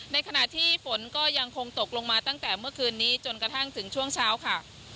ในขณะที่ฝนก็ยังคงตกลงมาตั้งแต่เมื่อคืนนี้จนกระทั่งถึงช่วงเช้าค่ะ